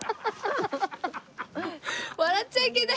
笑っちゃいけないけど。